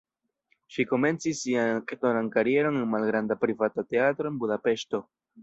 Ŝi komencis sian aktoran karieron en malgranda privata teatro en Budapeŝto.